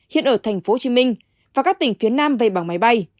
hiện ở thành phố hồ chí minh và các tỉnh phía nam về bằng máy bay